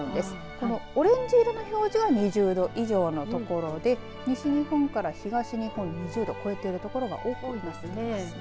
このオレンジ色の表示は２０度以上の所で西日本から東日本、２０度を超えている所も多くなっていますね。